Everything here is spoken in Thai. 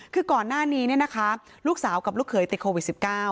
คือก่อนหน้านี้ลูกสาวกับลูกเขยติดโควิด๑๙